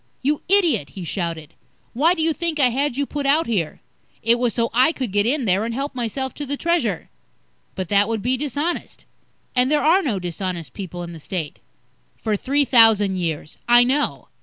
"You idiot," he shouted. "Why do you think I had you put out here? It was so I could get in there and help myself to the Treasure." "But that would be dishonest. And there are no dishonest people in the State." "For three thousand years. I know."